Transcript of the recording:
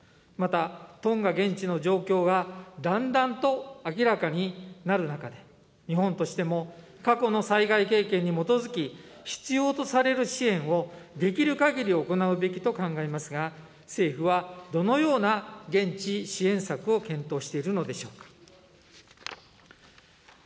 またトンガ現地の状況がだんだんと明らかになる中で、日本としても過去の災害経験に基づき、必要とされる支援をできるかぎり行うべきと考えますが、政府はどのような現地支援策を検討しているのでしょうか。